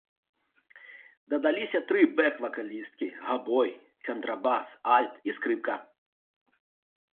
Дадаліся тры бэк-вакалісткі, габой, кантрабас, альт і скрыпка.